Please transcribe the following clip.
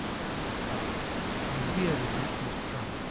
230 But, hark! I hear the distant drum!